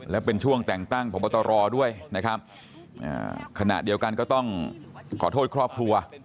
และเป็นช่วงแต่งตั้งพบตรด้วยนะครับขณะเดียวกันก็ต้องขอโทษครอบครัว